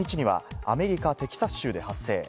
今月１８日にはアメリカ・テキサス州で発生。